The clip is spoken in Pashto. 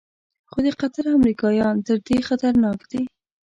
خو د قطر امریکایان تر دې خطرناک دي.